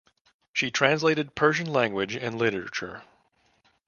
She translated Persian language and literature.